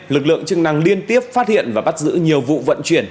lực lượng chức năng liên tiếp phát hiện và bắt giữ nhiều vụ vận chuyển